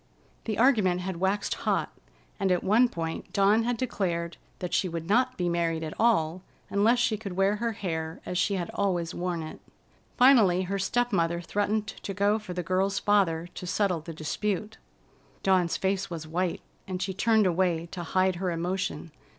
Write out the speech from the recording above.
The argument had waxed hot, and at one point Dawn had declared that she would not be married at all unless she could wear her hair as she had always worn it. Finally her step mother threatened to go for the girl's father to settle the dispute. Dawn's face was white, and she turned away to hide her emotion.